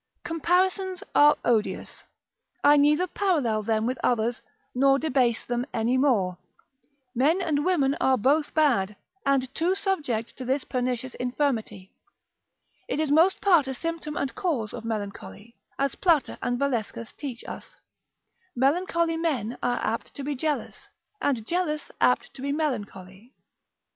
Comparisons are odious, I neither parallel them with others, nor debase them any more: men and women are both bad, and too subject to this pernicious infirmity. It is most part a symptom and cause of melancholy, as Plater and Valescus teach us: melancholy men are apt to be jealous, and jealous apt to be melancholy.